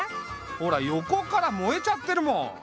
ほら横から燃えちゃってるもん。